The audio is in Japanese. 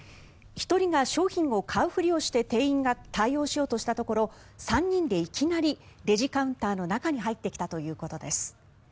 １人が商品を買うふりをして店員が対応しようとしたところ３人でいきなりレジカウンターの中に入ってきたということです。